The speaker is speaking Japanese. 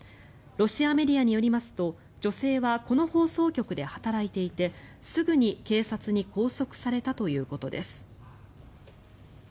ロシアメディアによりますと女性はこの放送局で働いていてすぐに警察に拘束されたということです。